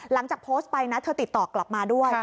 หลังจากโพสต์ไปนะเธอติดต่อกลับมาด้วย